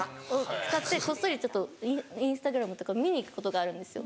使ってこっそりちょっとインスタグラムとかを見に行くことがあるんですよ。